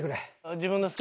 自分の好きな。